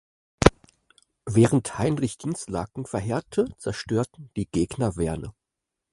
Während Heinrich Dinslaken verheerte, zerstörten die Gegner Werne.